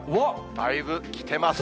だいぶきてますね。